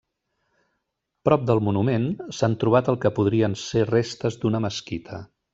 Prop del monument, s'han trobat el que podrien ser restes d'una mesquita.